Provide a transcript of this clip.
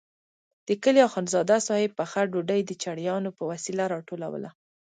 د کلي اخندزاده صاحب پخه ډوډۍ د چړیانو په وسیله راټولوله.